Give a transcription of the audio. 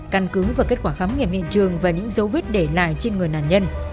căn cứ và kết quả khám nghiệm hiện trường và những dấu vết để lại trên người nạn nhân